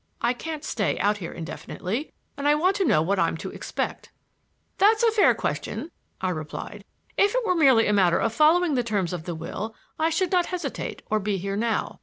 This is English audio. I can't stay out here indefinitely, and I want to know what I'm to expect." "That is a fair question," I replied. "If it were merely a matter of following the terms of the will I should not hesitate or be here now.